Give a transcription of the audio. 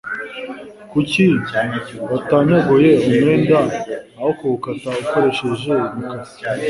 Kuki watanyaguye umwenda aho kuwukata ukoresheje imikasi?